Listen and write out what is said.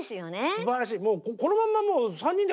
すばらしい！